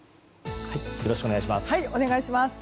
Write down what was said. よろしくお願いします。